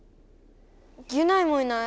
ギュナイもいない。